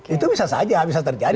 itu bisa saja bisa terjadi